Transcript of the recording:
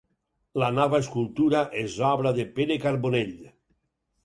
La nova escultura és obra de Pere Carbonell.